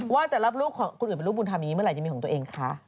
ว่าแต่รับลูกของคุณอื่นเป็นลูกมูลธรรมนี้เมื่อไหร่จะมีของตัวเองคะ